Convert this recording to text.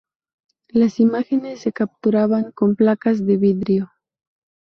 Las imágenes se capturaban con placas de vidrio.